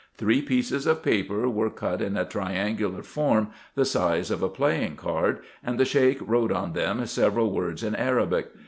Three pieces of paper were cut in a trian gular form, the size of a playing card, and the Sheik wrote on them several words in Arabic.